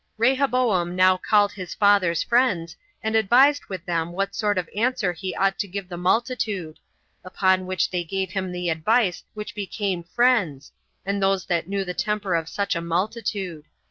2. Rehoboam now called his father's friends, and advised with them what sort of answer he ought to give to the multitude; upon which they gave him the advice which became friends, and those that knew the temper of such a multitude.